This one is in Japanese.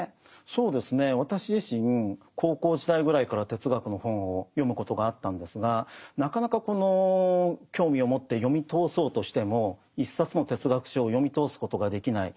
そうですね私自身高校時代ぐらいから哲学の本を読むことがあったんですがなかなかこの興味を持って読み通そうとしても一冊の哲学書を読み通すことができない。